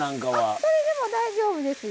それでも大丈夫ですよ。